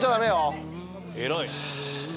偉い。